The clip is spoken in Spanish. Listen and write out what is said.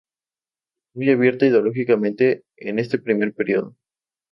Muy abierta ideológicamente en este primer período.